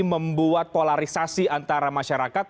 membuat polarisasi antara masyarakat